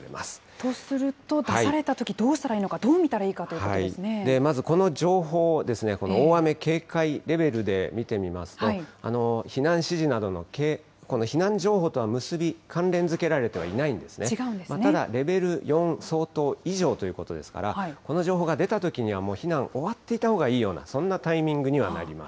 とすると、出されたときどうしたらいいのか、どう見たらいいまず、この情報ですね、この大雨警戒レベルで見てみますと、避難指示などの、避難情報とは結び、関連づけられてはいないんですね。ただ、レベル４相当以上ということですから、この情報が出たときには、もう避難、終わっていたほうがいいような、そんなタイミングにはなります。